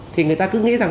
thì người ta cứ nghĩ rằng